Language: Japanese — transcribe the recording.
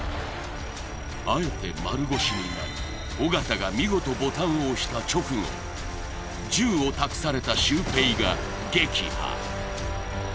あえて丸腰になり尾形が見事ボタンを押した直後銃を託されたシュウペイが撃破